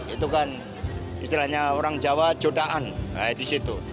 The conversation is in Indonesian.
itu kan istilahnya orang jawa jodahan disitu